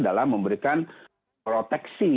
dalam memberikan proteksi